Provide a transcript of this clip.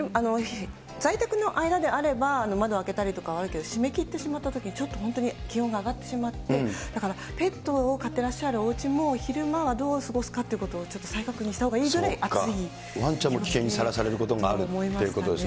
在宅の間であれば、窓開けたりとかはあるけれども、締め切ってしまったときにちょっと本当に気温が上がってしまって、だから、ペットを飼ってらっしゃるおうちも、昼間はどう過ごすかということを、ちょっと再確認したほうがいいぐわんちゃんも危険にさらされることもあるということですね。